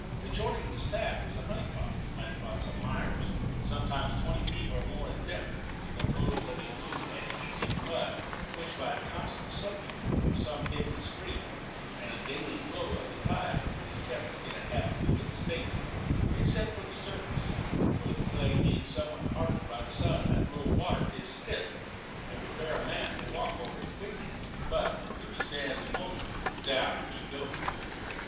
Adjoining the stack was a honey pot. Honey pots are mires, sometimes twenty feet or more in depth, composed of a blue, adhesive mud, which, by the constant soaking of some hidden spring, and the daily flow of the tide, is kept in a half fluid state, except upon the surface, where the clay, being somewhat hardened by the sun at low water, is stiff, and will bear a man to walk over it quickly; but, if he stands a moment, down he goes.